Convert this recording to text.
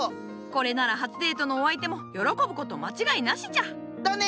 これなら初デートのお相手も喜ぶこと間違いなしじゃ！だね！